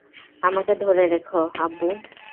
আমাকে ধরে রাখো, আব্বু!